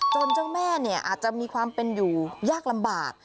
เจ้าแม่เนี่ยอาจจะมีความเป็นอยู่ยากลำบาก